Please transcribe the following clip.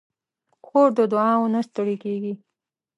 خور د دعاوو نه ستړې کېږي.